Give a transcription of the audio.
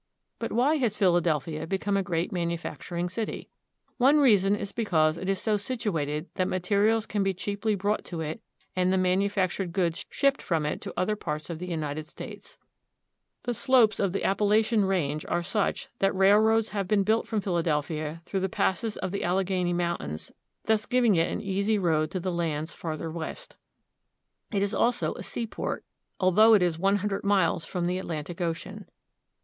But why has Philadelphia become a great manufacturing city ? One reason is because it is so situated that materials can be cheaply brought to it and the manufactured goods shipped from it to other parts of the United States, The slopes of the Appala chian range are such that railroads have been built from Philadelphia through the passes of the Alleghany Moun tains, thus giving it an easy road to the lands farther west. It is also a seaport, although it is one hundred miles from the Atlantic Ocean.